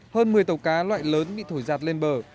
hơn một mươi tàu cá loại lớn bị thổi giạt lên bờ